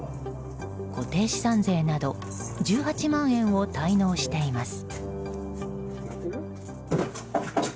固定資産税など１８万円を滞納しています。